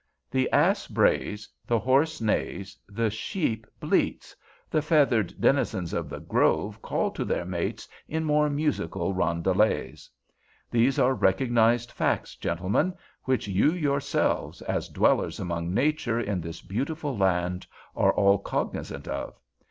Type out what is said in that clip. The ass brays, the horse neighs, the sheep bleats—the feathered denizens of the grove call to their mates in more musical roundelays. These are recognized facts, gentlemen, which you yourselves, as dwellers among nature in this beautiful land, are all cognizant of.